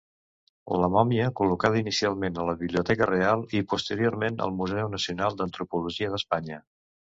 La mòmia col·locada inicialment a la Biblioteca Real i posteriorment al Museu Nacional d'Antropologia d'Espanya.